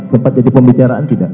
sempat jadi pembicaraan tidak